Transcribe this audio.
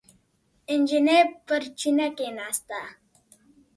نجلۍ پر چینه کېناسته.